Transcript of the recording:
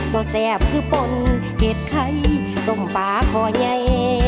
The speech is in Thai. โต้แสบคือปล่นเห็ดไข่ต้มป่าขอไย